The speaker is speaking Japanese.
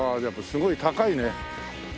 すごい高い。